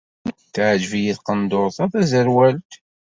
Teɛjeb-iyi tqendurt-a taẓerwalt.